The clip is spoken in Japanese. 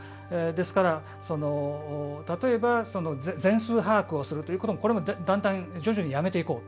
ですから、例えば全数把握をすることこれもだんだん徐々にやめていこう。